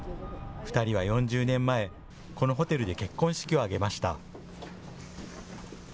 ２人は４０年前、このホテルで結婚式を挙げました。